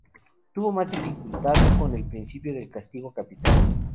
Tuvo más dificultad con el principio del castigo capital.